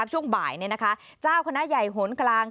ช่วงบ่ายเจ้าคณะใหญ่โหนกลาง